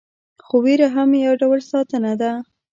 خو ویره هم یو ډول ساتنه ده.